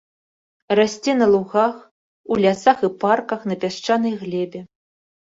Расце на лугах, у лясах і парках на пясчанай глебе.